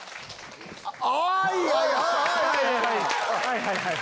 あいはいはいはい！